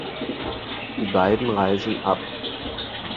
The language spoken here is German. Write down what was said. Die beiden reisen ab.